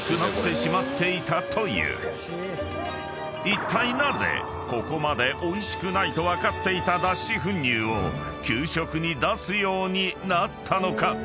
［いったいなぜここまでおいしくないと分かっていた脱脂粉乳を給食に出すようになったのか？］